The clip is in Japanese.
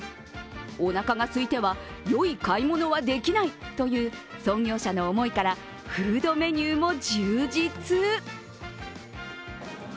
おなかがすいては、よい買い物はできないという創業者の思いからフードメニューも充実。